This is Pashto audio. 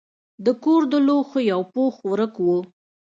د کور د لوښو یو پوښ ورک و.